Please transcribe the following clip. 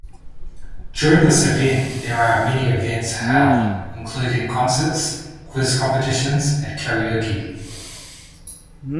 During this event there are many events held including concerts, quiz competitions and karaoke.